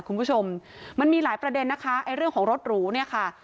คุณผู้ชมมันมีหลายประเด็นนะคะไอ้เรื่องของรถหรูเนี่ยค่ะ